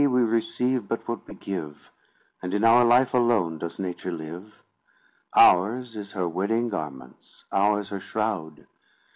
we receive but what we give, And in our life alone does nature live: Ours is her wedding garments ours her shroud!